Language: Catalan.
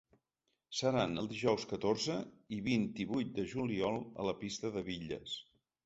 Seran els dijous catorze i vint-i-vuit de juliol a la pista de bitlles.